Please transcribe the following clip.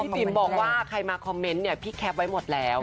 ปิ๋มบอกว่าใครมาคอมเมนต์เนี่ยพี่แคปไว้หมดแล้ว